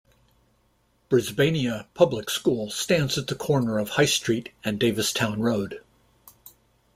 Brisbania Public School stands at the corner of High Street and Davistown Road.